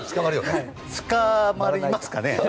捕まりますかね？